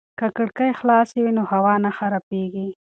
که کړکۍ خلاصې وي نو هوا نه خرابېږي.